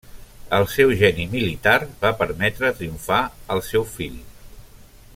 El seu geni militar va permetre triomfar al seu fill.